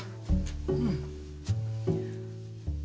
うん。